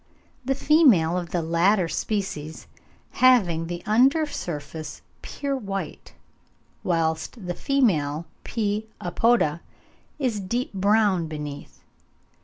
the female of the latter species having the under surface pure white, whilst the female P. apoda is deep brown beneath.